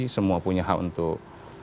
semua punya hak untuk